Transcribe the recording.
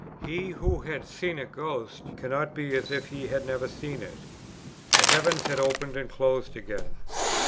He who has seen a ghost, cannot be as if he had never seen it. The heavens had opened and closed again.